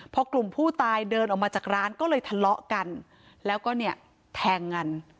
พอกลุ่มผู้ตายเดินออกมาจากร้านก็เลยทะเลาะกันแล้วก็เนี่ยแทงกัน